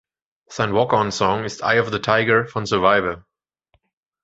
Sein Walk-on-Song ist "Eye of the Tiger" von Survivor.